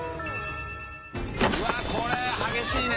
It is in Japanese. うわあこれ激しいね。